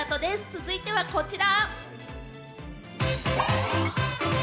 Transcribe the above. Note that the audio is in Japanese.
続いてはこちら。